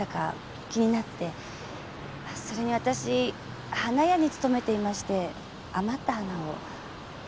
それに私花屋に勤めていまして余った花を。